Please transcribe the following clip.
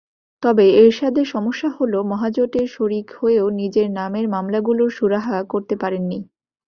তবে এরশাদের সমস্যা হলো মহাজোটের শরিক হয়েও নিজের নামের মামলাগুলোর সুরাহা করতে পারেননি।